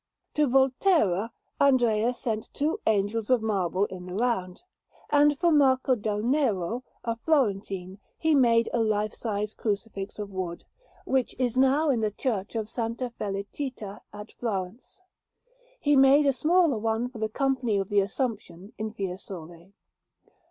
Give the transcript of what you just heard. To Volterra Andrea sent two Angels of marble in the round; and for Marco del Nero, a Florentine, he made a lifesize Crucifix of wood, which is now in the Church of S. Felicita at Florence. He made a smaller one for the Company of the Assumption in Fiesole.